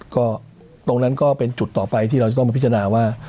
ก็ตรงนั้นก็เป็นจุดต่อไปที่เราจะต้องมาพิจารณาว่า